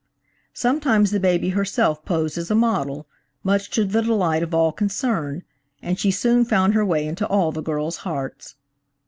Sometimes the baby herself posed as a model, much to the delight of all concerned, and she soon found her way into all the girls' hearts.